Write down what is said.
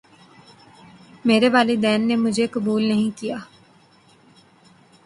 میرے والدین نے مجھے قبول نہیں کیا